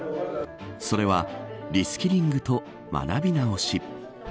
それはリスキリングと学び直し。